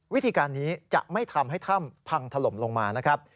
วิธีการนี้จะไม่ทำให้ถ้ำพังถล่มลงมานะครับ